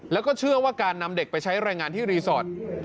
แล้วก็เชื่อว่าการนำเด็กไปใช้แรงงานที่รีสอร์ท